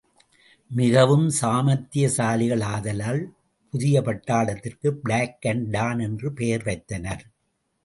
மிகவும் சாமத்ர்தியசாலிகளாதலால் புதியபட்டாளத்திற்கு பிளாக் அன்டு டான் என்று பெயர் வைத்தனர்.